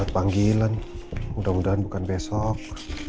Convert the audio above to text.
panggilan mudah mudahan bukan besok